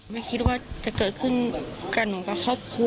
ไม่คิดว่าจะเกิดขึ้นกับหนูกับครอบครัว